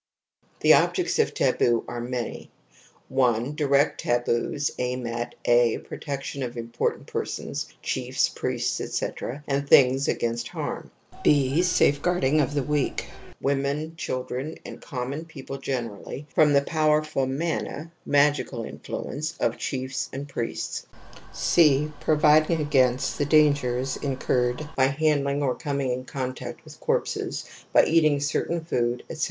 {" The objects of the taboo are many i 1 . direct taboos aim at (a) protection of important per \y sons — chiefs, priests, etc. — and things against THE AMBIVALENCE OF EMOTIONS 33 harm ; (b) safeguarding of the weak — ^women children and common people generally — from the powerful mana (magical influence) of chiefs and priests ; (c) providing against the dangers incurred by handling or coming in contact with corpses, by eating certain food, etc.